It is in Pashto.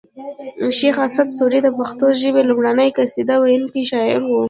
شیخ اسعد سوري د پښتو ژبې لومړنۍ قصیده ویونکی شاعر و